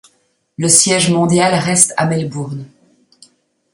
Le siège mondial reste à Melbourne.